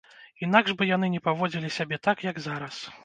Інакш бы яны не паводзілі сябе так, як зараз.